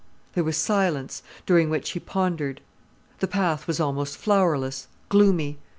There was silence, during which he pondered. The path was almost flowerless, gloomy.